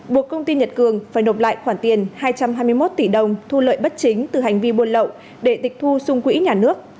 buộc công ty nhật cường phải nộp lại khoản tiền hai trăm hai mươi một tỷ đồng thu lợi bất chính từ hành vi buôn lậu để tịch thu xung quỹ nhà nước